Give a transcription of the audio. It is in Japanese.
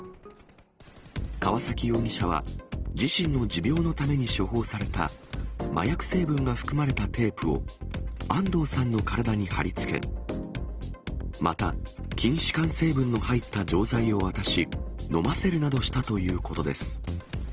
川崎容疑者は、自身の持病のために処方された麻薬成分が含まれたテープを安藤さんの体に貼りつけ、また筋弛緩成分の入った錠剤を渡し、飲ませるなどしたということです。